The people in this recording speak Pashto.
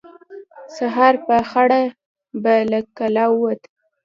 سهار په خړه به له کلا ووت.